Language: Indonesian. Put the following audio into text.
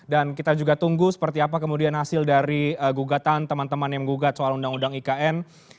dan kita juga tunggu seperti apa kemudian hasil dari gugatan teman teman yang gugat soal undang undang ikn